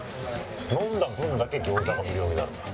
飲んだ分だけ餃子が無料になるんだ。